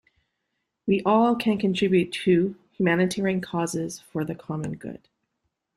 We all can contribute to humanitarian causes for the common good.